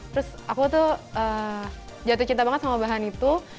terus aku tuh jatuh cinta banget sama bahan itu